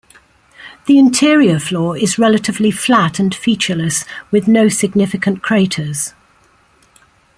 The interior floor is relatively flat and featureless, with no significant craters.